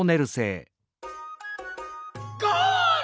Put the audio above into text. ゴール！